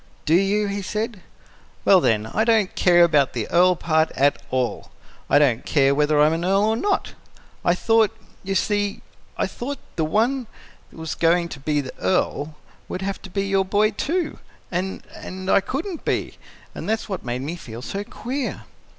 "Do you?" he said. "Well, then, I don't care about the earl part at all. I don't care whether I'm an earl or not. I thought you see, I thought the one that was going to be the Earl would have to be your boy, too, and and I couldn't be. That was what made me feel so queer."